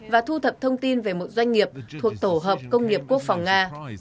và thu thập thông tin về một doanh nghiệp thuộc tổ hợp công nghiệp quốc phòng nga